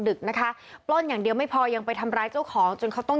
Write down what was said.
ดึกนะคะปล้นอย่างเดียวไม่พอยังไปทำร้ายเจ้าของจนเขาต้อง